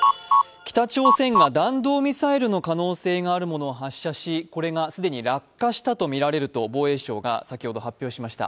北朝鮮が弾道ミサイルの可能性があるものを発射しこれが既に落下したとみられると防衛省が先ほど発表しました。